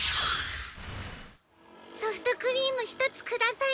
ソフトクリーム１つください